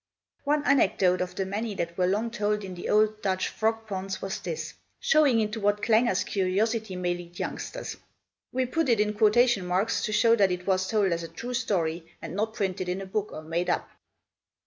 One anecdote of the many that were long told in the old Dutch frog ponds was this: showing into what clangers curiosity may lead youngsters. We put it in quotation marks to show that it was told as a true story, and not printed in a book, or made up.